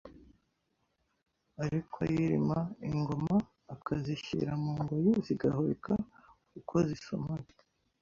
ari kwa yirima Ingoma akazishyira mu ngoyi zigahekwa Uko zisumana